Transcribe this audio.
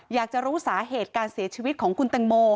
อยากจะรู้สาเหตุการเสียชีวิตของคุณแตงโม